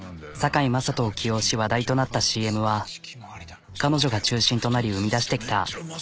堺雅人を起用し話題となったＣＭは彼女が中心となり生み出してきた。